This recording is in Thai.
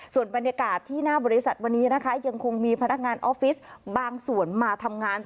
ส่วนบรรยากาศที่หน้าบริษัทวันนี้นะคะยังคงมีพนักงานออฟฟิศบางส่วนมาทำงาน